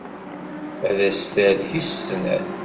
Ad as-d-terr tis snat.